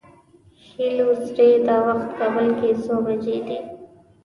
هلو سیري! دا وخت کابل کې څو بجې دي؟